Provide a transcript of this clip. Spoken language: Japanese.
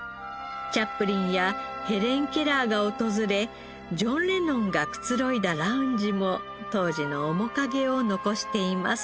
チャップリンやヘレン・ケラーが訪れジョン・レノンがくつろいだラウンジも当時の面影を残しています。